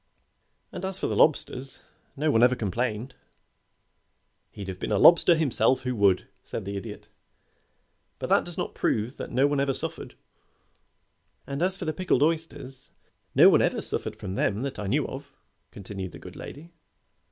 "And as for the lobsters, nobody ever complained " "He'd have been a lobster himself who would," said the Idiot. "But that does not prove that no one ever suffered." "And as for the pickled oysters, no one ever suffered from them that I knew of," continued the good lady.